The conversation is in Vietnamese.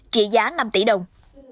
trị giá năm tỷ đồng